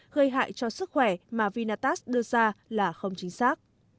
gây hại cho sức khỏe mà vinatast đưa ra là không chính xác